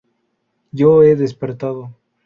Yo he despertado.